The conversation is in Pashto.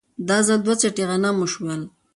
دا ځل دوه څټې غنم وشول